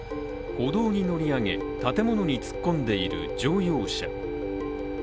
歩道に乗り上げ、建物に突っ込んでいる乗用車。